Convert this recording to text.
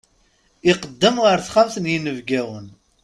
Iqeddem ɣer texxamt n yinebgiwen.